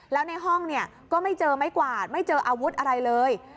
แล้วในห้องเนี่ยก็ไม่เจอไม้กวาดไม่เจออาวุธอะไรเลย